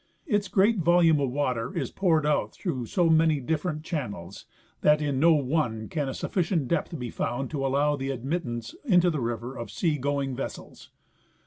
Its great volume of water is j^oured out through so many dif ferent channels that in no one can a sufficient depth be found to allow of admittance into the river of sea going vessels.